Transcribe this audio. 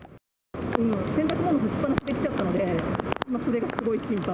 洗濯物干しっぱなしで来ちゃったので、今、それがすごい心配。